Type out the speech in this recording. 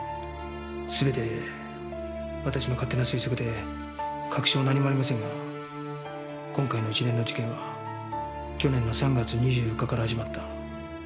すべて私の勝手な推測で確証は何もありませんが今回の一連の事件は去年の３月２４日から始まった。